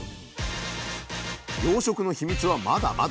養殖のヒミツはまだまだ！